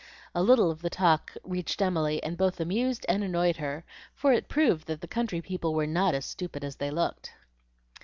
A little of the talk reached Emily and both amused and annoyed her, for it proved that the country people were not as stupid as they looked.